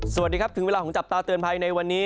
สวัสดีครับถึงเวลาของจับตาเตือนภัยในวันนี้